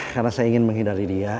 karena saya ingin menghindari dia